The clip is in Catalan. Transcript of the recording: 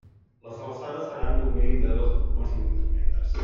Les alçades seran d'un mínim de dos coma cinc metres.